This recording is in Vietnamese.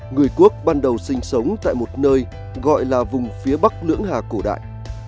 người quốc ban đầu sinh sống tại một nơi gọi là vùng phía bắc lưỡng hà cổ đại